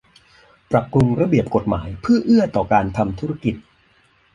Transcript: ปรับปรุงระเบียบกฎหมายเพื่อเอื้อต่อการทำธุรกิจ